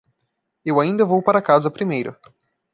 Eu ainda vou para casa primeiro.